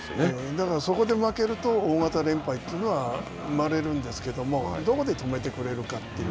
だから、そこで負けると大型連敗というのは生まれるんですけどどこで止めてくれるかという。